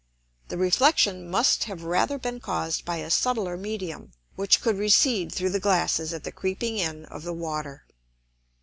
The Reflexion must have rather been caused by a subtiler Medium, which could recede through the Glasses at the creeping in of the Water.